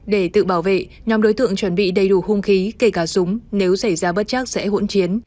để tự bảo vệ nhóm đối tượng chuẩn bị đầy đủ hung khí kể cả súng nếu xảy ra bất chắc sẽ hỗn chiến